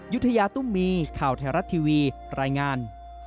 ยุธยาตุ้มมีข่าวไทยรัฐทีวีรายงาน